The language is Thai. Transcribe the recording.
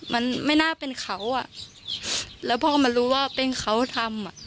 มันไม่น่าเป็นเขาอ่ะแล้วพ่อก็มารู้ว่าเป็นเขาทำอ่ะ